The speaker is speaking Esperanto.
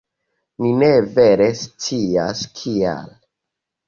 Ni ne vere scias, kial.